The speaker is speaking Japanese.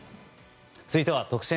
続いては、特選！！